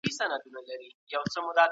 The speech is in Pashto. ایا لوی صادروونکي تور ممیز اخلي؟